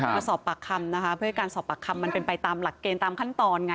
กับสอบปากคำนะคะเพื่อการสอบปากคำมันเป็นไปตามหลักเพลง